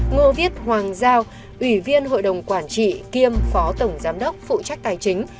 ngô viết hoàng giao ủy viên hội đồng quản trị kiêm phó tổng giám đốc phụ trách tài chính